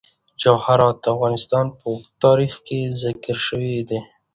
جواهرات د افغانستان په اوږده تاریخ کې ذکر شوی دی.